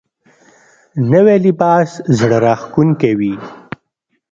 نوی لباس زړه راښکونکی وي